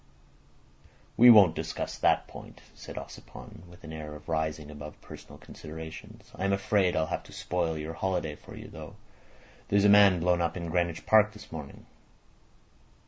"We won't discuss that point," said Ossipon, with an air of rising above personal considerations. "I am afraid I'll have to spoil your holiday for you, though. There's a man blown up in Greenwich Park this morning."